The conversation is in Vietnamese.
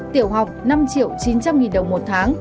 tiểu học năm chín trăm linh đồng một tháng